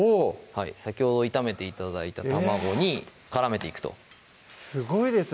先ほど炒めて頂いた卵に絡めていくとすごいですね